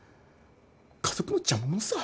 家族の邪魔者さ。